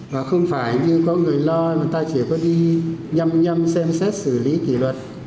và không phải như có người lo người ta chỉ có đi nhăm nhâm xem xét xử lý kỷ luật